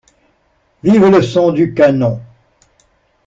Vive le son du canon!